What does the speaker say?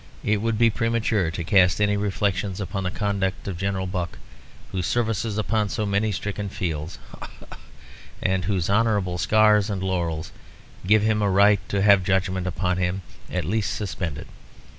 it would be premature to cast any reflections upon the conduct of General Buck, whose services upon so many stricken fields (ha, ha!), and whose honourable scars and laurels, give him a right to have judgment upon him at least suspended.